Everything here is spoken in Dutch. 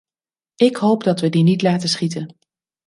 Ik hoop dat we die niet laten schieten.